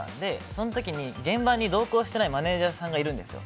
その時に現場に同行していないマネジャーさんがいるんですよ。